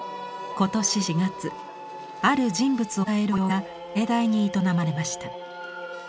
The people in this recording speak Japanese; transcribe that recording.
今年４月ある人物をたたえる法要が盛大に営まれました。